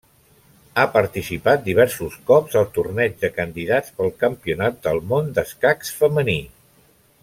Ha participat diversos cops al Torneig de Candidats pel Campionat del món d'escacs femení.